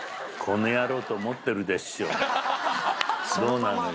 どうなのよ？